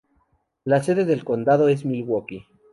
La sede del condado es Milwaukee.